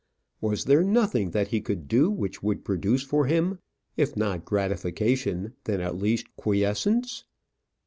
Was there nothing that he could do which would produce for him, if not gratification, then at least quiescence?